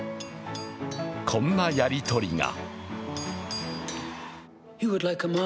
こんなやりとりが。